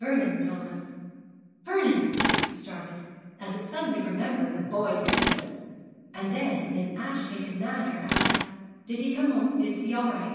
'Vernon told us.' 'Vernon!' He started, as if suddenly remembering the boy's existence; and then in an agitated manner asked, 'Did he come home? Is he all right?'